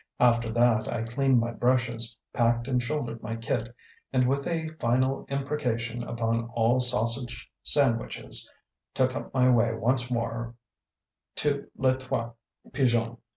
After that I cleaned my brushes, packed and shouldered my kit, and, with a final imprecation upon all sausage sandwiches, took up my way once more to Les Trois Pigeons.